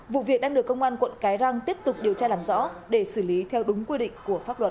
vụ việc đang được công an quận cái răng tiếp tục điều tra làm rõ để xử lý theo đúng quy định của pháp luật